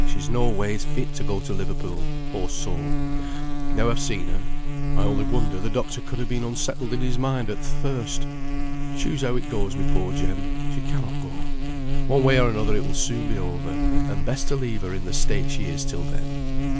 She's no ways fit to go to Liverpool, poor soul. Now I've seen her, I only wonder the doctor could ha' been unsettled in his mind at th' first. Choose how it goes wi' poor Jem, she cannot go. One way or another it will soon be over, and best to leave her in the state she is till then."